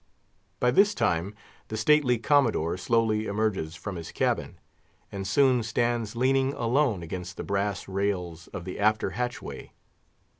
By this time the stately Commodore slowly emerges from his cabin, and soon stands leaning alone against the brass rails of the after hatchway.